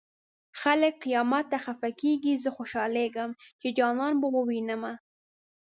خلک قيامت ته خفه کيږي زه خوشالېږم چې جانان به ووينمه